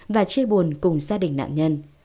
và chê buồn cùng gia đình